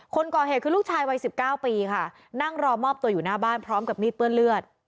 คนก่อเหตุคือลูกชายวัย๑๙ปีค่ะนั่งรอมอบตัวอยู่หน้าบ้านพร้อมกับมีดเปื้อนเลือด